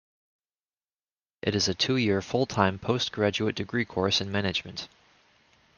It is a two-year full-time post-graduate degree course in management.